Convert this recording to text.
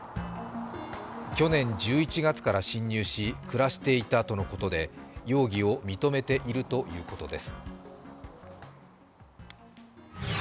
去年１１月から侵入し、暮らしていたとのことで、容疑を認めているということです。